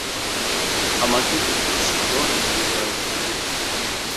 Amategeko ashyirwaho na Perezida wa Repubulika